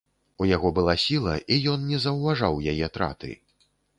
У яго была сіла, і ён не заўважаў яе траты.